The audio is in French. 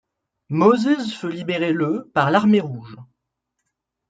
Moses fut libéré le par l'Armée rouge.